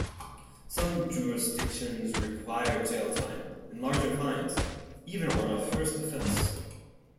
Some jurisdictions require jail time and larger fines, even on a first offense.